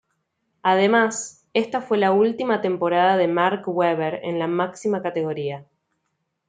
Además, esta fue la última temporada de Mark Webber en la máxima categoría.